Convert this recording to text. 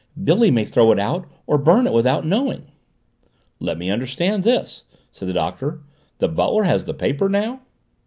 "Billy may throw it out or burn it without knowing " "Let me understand this," said the Doctor. "The butler has the paper now?"